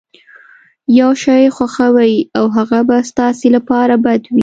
يو شی خوښوئ او هغه به ستاسې لپاره بد وي.